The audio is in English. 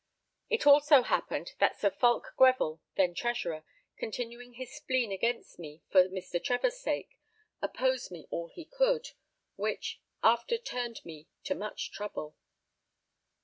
It also happened that Sir Fulke Greville, then Treasurer, continuing his spleen against me for Mr. Trevor's sake, opposed me all he could, which after turned me to much trouble.